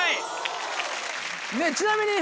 ちなみに。